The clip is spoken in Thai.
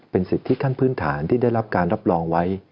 เป็นสิทธิขั้นพื้นฐานที่ได้รับการรับรองไว้